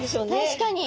確かに。